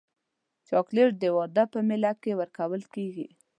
چاکلېټ د واده په مېلو کې ورکول کېږي.